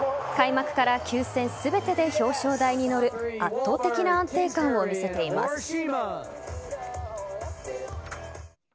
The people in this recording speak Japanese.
開幕から９戦全てで表彰台に乗る圧倒的な安定感を見せています。